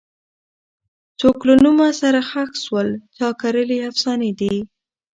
څوک له نومه سره ښخ سول چا کرلي افسانې دي